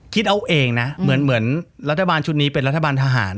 คิดเอาเองนะเหมือนรัฐบาลชุดนี้เป็นรัฐบาลทหาร